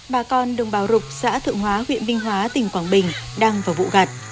bà con đồng bào rục xã thượng hóa huyện minh hóa tỉnh quảng bình đang vào vụ gạt